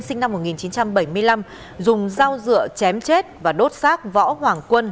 sinh năm một nghìn chín trăm bảy mươi năm dùng dao dựa chém chết và đốt xác võ hoàng quân